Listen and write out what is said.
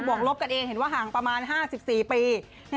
วกลบกันเองเห็นว่าห่างประมาณ๕๔ปี